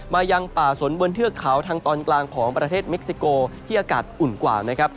ยังป่าสนบนเทือกเขาทางตอนกลางของประเทศเม็กซิโกที่อากาศอุ่นกว่านะครับ